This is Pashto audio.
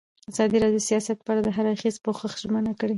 ازادي راډیو د سیاست په اړه د هر اړخیز پوښښ ژمنه کړې.